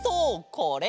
これ。